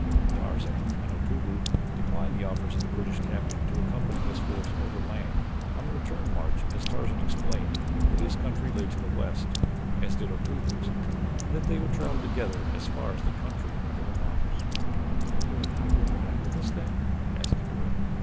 Tarzan and Otobu declined the offers of the British captain to accompany his force overland on the return march as Tarzan explained that his country lay to the west, as did Otobu's, and that they would travel together as far as the country of the Wamabos. "You are not going back with us, then?" asked the girl.